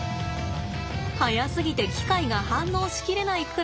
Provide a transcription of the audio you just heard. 速すぎて機械が反応し切れないくらいです。